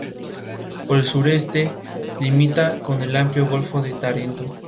Se encuentra entre puerto Collins y la caleta Potter.